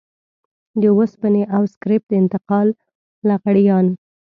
د وسپنې او سکريپ د انتقال لغړيان.